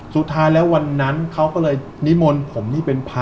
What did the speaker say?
สุดท้ายแล้ววันนั้นเขาก็เลยนิมนต์ผมนี่เป็นพระ